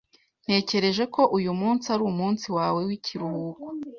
Natekereje ko uyumunsi ari umunsi wawe w'ikiruhuko.